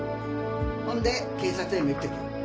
ほんで警察へも行って来る。